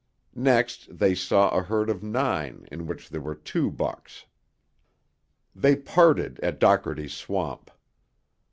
Next they saw a herd of nine in which there were two bucks. They parted at Dockerty's Swamp.